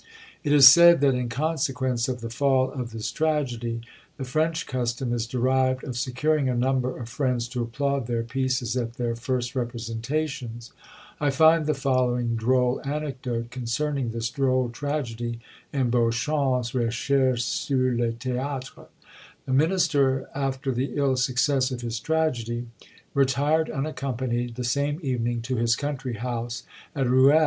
It is said that, in consequence of the fall of this tragedy, the French custom is derived of securing a number of friends to applaud their pieces at their first representations. I find the following droll anecdote concerning this droll tragedy in Beauchamp's Recherches sur le Théâtre. The minister, after the ill success of his tragedy, retired unaccompanied the same evening to his country house at Ruel.